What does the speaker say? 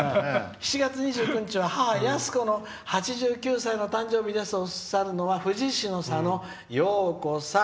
「７月２９日は母、やすこの８９歳の誕生日です」とおっしゃるのは富士市のさのようこさん。